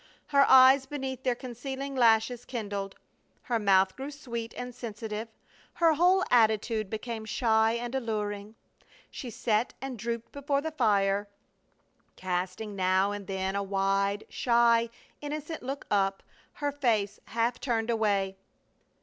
Her eyes beneath their concealing lashes kindled. Her mouth grew sweet and sensitive, her whole attitude became shy and alluring. She sat and drooped before the fire, casting now and then a wide, shy, innocent look up, her face half turned away.